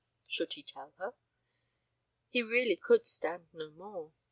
Should he tell her? He really could stand no more.